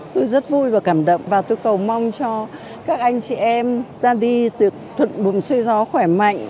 tôi rất vui và cảm động và tôi cầu mong cho các anh chị em ra đi tuyệt thuận buồn xây gió khỏe mạnh